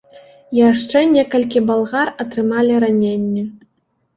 Яшчэ некалькі балгар атрымалі раненні.